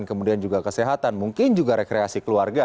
kemudian juga kesehatan mungkin juga rekreasi keluarga